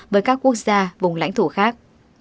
với các quốc gia vùng lãnh thổ khác